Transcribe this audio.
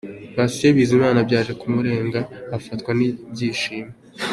Patient Bizimana byaje kumurenga afatwa n'ibyishimo.